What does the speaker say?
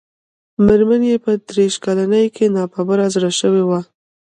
مېرمن يې په دېرش کلنۍ کې ناببره زړه شوې وه.